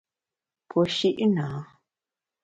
Puo shi’ nâ.